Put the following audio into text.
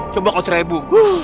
coba kau serah ibu